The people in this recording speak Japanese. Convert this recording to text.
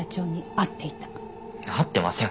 会ってません！